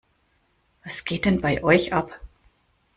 Was geht denn bei euch ab?